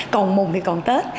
còn mùng thì còn tết